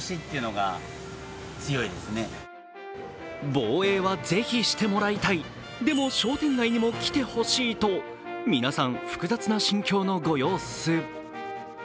防衛はぜひしてもらいたい、でも商店街にも来てほしいと皆さん、複雑な心境のご様子。